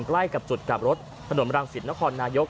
ใกล้กับจุดกลับรถถนนรังสิตนครนายก